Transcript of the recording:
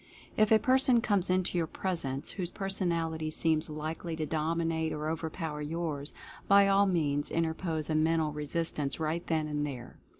If a person comes into your pres ence whose personality seems likely to dominate or overpower yours, by all means interpose a mental re sistance right then and there.